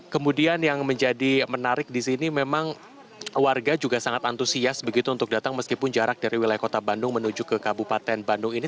kemudian yang menjadi menarik di sini memang warga juga sangat antusias begitu untuk datang meskipun jarak dari wilayah kota bandung menuju ke kabupaten bandung ini